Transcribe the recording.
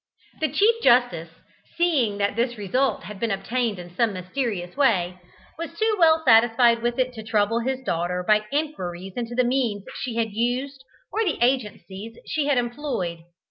The Chief Justice, seeing that this result had been obtained in some mysterious way, was too well satisfied with it to trouble his daughter by inquiries into the means she had used or the agencies she had employed.